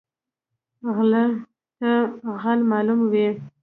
غله ته غل معلوم وي